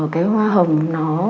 cái hoa hồng nó